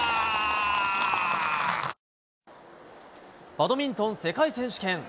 バドミントン世界選手権。